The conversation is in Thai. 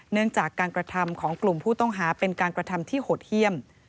เนื่องจากการกระทำของกลุ่มผู้ต้องหาเป็นการกระทำที่หดเยี่ยม